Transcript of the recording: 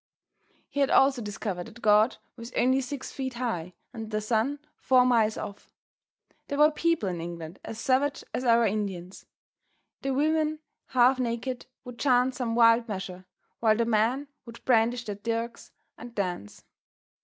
He had also discovered that God was only six feet high and the sun four miles off. There were people in England as savage as our Indians. The women, half naked, would chant some wild measure, while the men would brandish their dirks and dance.